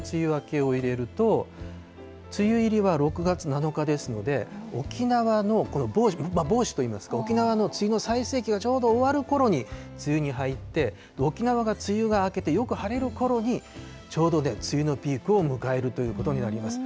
梅雨入りと梅雨明けを入れると、梅雨入りは６月７日ですので、沖縄のこの芒種といいますか、沖縄の梅雨の最盛期がちょうど終わるころに梅雨に入って、沖縄が梅雨が明けてよく晴れるころにちょうどね、梅雨のピークを迎えるということになります。